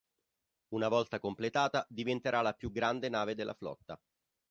Una volta completata diventerà la più grande nave della flotta.